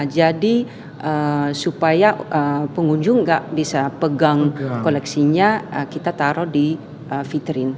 jadi supaya pengunjung nggak bisa pegang koleksinya kita taruh di vitrin